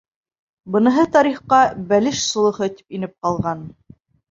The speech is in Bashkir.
Быныһы тарихҡа «бәлеш солохо» тип инеп ҡалған.